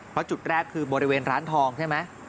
เพราะจุดแรกคือบริเวณร้านทองใช่ไหม